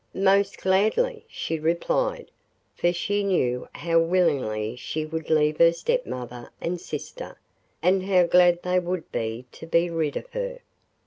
'Most gladly,' she replied, for she knew how willingly she would leave her stepmother and sister, and how glad they would be to be rid of her.